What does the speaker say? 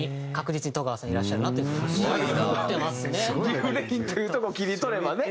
リフレインというとこを切り取ればね